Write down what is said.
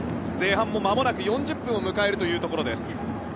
前半もまもなく４０分を迎えるところです。